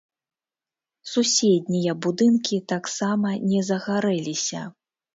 Суседнія будынкі таксама не загарэліся.